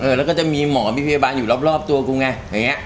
แล้วก็จะมีหมอมีพยาบาลอยู่รอบตัวกูไงอย่างนี้